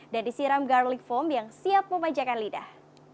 dan disiram garlic foam yang siap memanjakan lidah